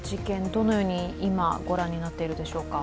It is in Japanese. どのように今、ご覧になっていますか？